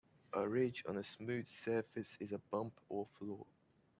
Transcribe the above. A ridge on a smooth surface is a bump or flaw.